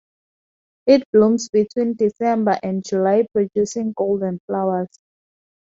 It blooms between December and July producing golden flowers.